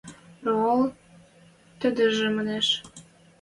Роал... – тӹдӹжӹ манеш.